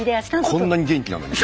こんなに元気なのに？